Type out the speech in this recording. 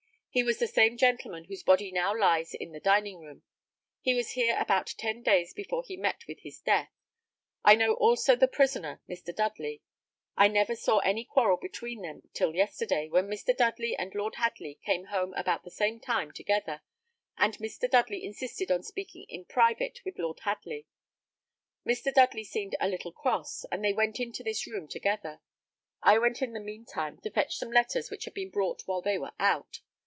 He was the same gentleman whose body now lies in the dining room. He was here about ten days before he met with his death. I know also the prisoner, Mr. Dudley, I never saw any quarrel between them till yesterday, when Mr. Dudley and Lord Hadley came home about the same time together, and Mr. Dudley insisted on speaking in private with Lord Hadley. Mr. Dudley seemed a little cross, and they went into this room together. I went in the mean time to fetch some letters which had been brought while they were out.